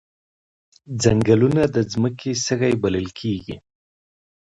ځنګلونه د ځمکې سږي بلل کیږي